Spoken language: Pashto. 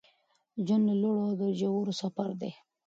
ژوند د لوړو او ژورو سفر دی